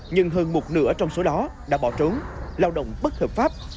nhưng hơn một nửa trong số đó đã bỏ trốn lao động bất hợp pháp